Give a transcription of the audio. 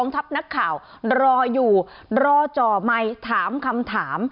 ทัพนักข่าวรออยู่รอจ่อไมค์ถามคำถาม